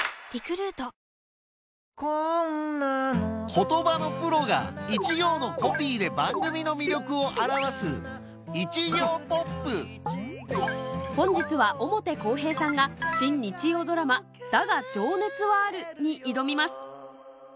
言葉のプロが一行のコピーで番組の魅力を表す本日は表公平さんが新日曜ドラマ『だが、情熱はある』に挑みます